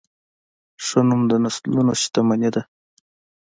ښه نوم د نسلونو شتمني ده.